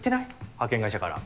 派遣会社から。